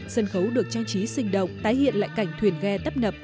sân khấu được trang trí sinh động tái hiện lại cảnh thuyền ghe tấp nập